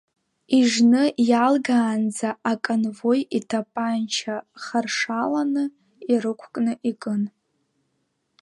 Ижны иалгаанӡа аканвои итапанча харшаланы ирықәкны икын.